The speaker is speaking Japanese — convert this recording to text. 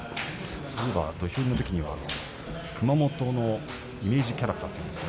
そういえば土俵入りのときには熊本のイメージキャラクターといいますかね。